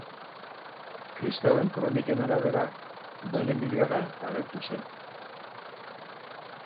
Kristauen kroniken arabera Donemiliaga agertu zen.